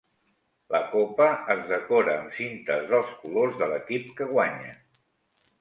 La copa es decora amb cintes dels colors de l'equip que guanya.